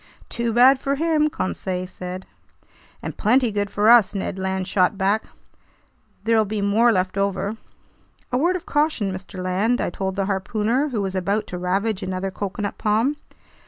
"Too bad for him!" Conseil said. "And plenty good for us!" Ned Land shot back. "There'll be more left over!" "A word of caution, Mr. Land," I told the harpooner, who was about to ravage another coconut palm.